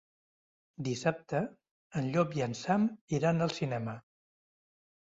Dissabte en Llop i en Sam iran al cinema.